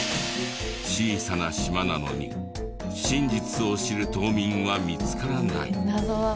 小さな島なのに真実を知る島民は見つからない。